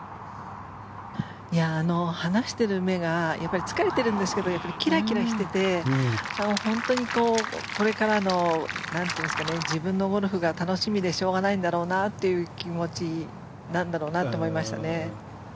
話してる目が疲れてるんですがキラキラしてて本当にこれからの自分のゴルフが楽しみでしょうがないんだろうなという気持ちなんだろうなと思いましたね。